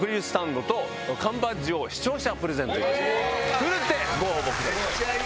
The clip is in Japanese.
奮ってご応募ください。